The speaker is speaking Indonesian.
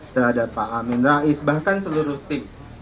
terhadap pak amin rais bahkan seluruh tim